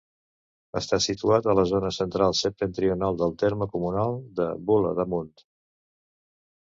Està situat a la zona central-septentrional del terme comunal de Bula d'Amunt.